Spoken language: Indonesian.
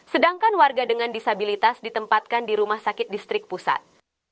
sedangkan warga dengan disabilitas ditempatkan di rumah sakit distrik pusat